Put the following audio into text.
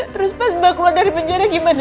terus pas mbak keluar dari penjara gimana